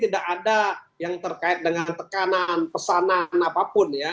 tidak ada yang terkait dengan tekanan pesanan apapun ya